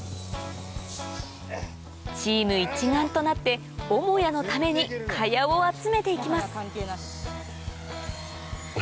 チーム一丸となって母屋のために茅を集めていきます